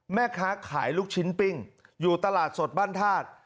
แม่ค้าขายลูกชิ้นปิ้งอยู่ตลาดสดบ้านธาตุ